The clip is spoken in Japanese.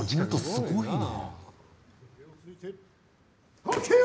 すごいな。